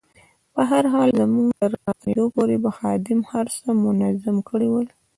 په هر حال زموږ تر راستنېدا پورې به خادم هر څه منظم کړي ول.